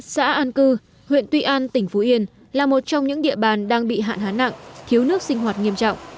xã an cư huyện tuy an tỉnh phú yên là một trong những địa bàn đang bị hạn hán nặng thiếu nước sinh hoạt nghiêm trọng